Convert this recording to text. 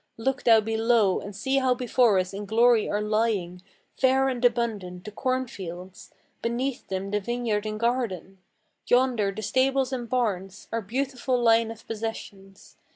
Look thou below, and see how before us in glory are lying, Fair and abundant, the corn fields; beneath them, the vineyard and garden; Yonder the stables and barns; our beautiful line of possessions.